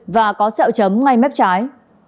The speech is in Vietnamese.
và có xeo chấm ngay mép trái